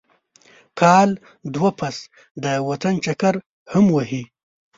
کال دوه پس د وطن چکر هم وهي.